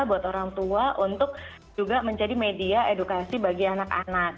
buat orang tua untuk juga menjadi media edukasi bagi anak anak